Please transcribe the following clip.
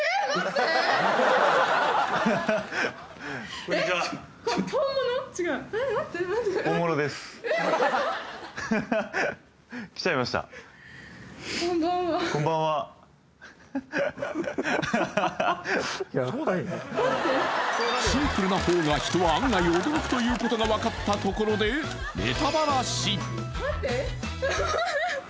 こんにちはシンプルなほうが人は案外驚くということが分かったところで待ってハハハハハ